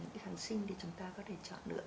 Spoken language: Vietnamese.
tháng sinh thì chúng ta có thể chọn được